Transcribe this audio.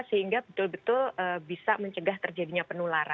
sehingga betul betul bisa mencegah terjadinya penularan